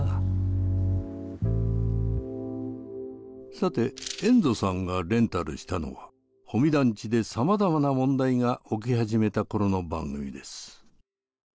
さてエンゾさんがレンタルしたのは保見団地でさまざまな問題が起き始めたころの番組です。